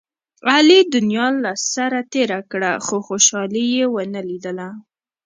علي دنیا له سره تېره کړه، خو خوشحالي یې و نه لیدله.